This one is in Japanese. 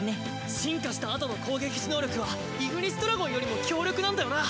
進化したあとの攻撃時能力はイグニスドラゴンよりも強力なんだよな。